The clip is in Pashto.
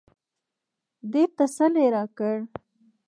ډېر تسل يې راکړ.